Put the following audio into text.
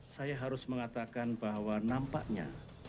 saya harus mengatakan bahwa nampaknya